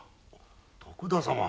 徳田様。